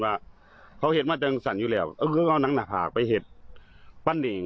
ว่าเขาโดนก็ดังสั่นอยู่แล้วก็เอานักผากไปเห็นคุณเอง